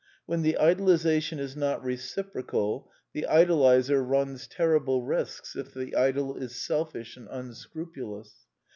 When the idoliz ation is not reciprocal, the idolizer runs terrible risks if the idol is selfish and unscrupulous.